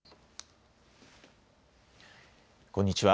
こんにちは。